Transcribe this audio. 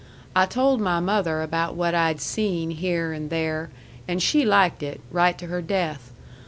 I told my mother about what I'd seen here and there, and she liked it, right to her death.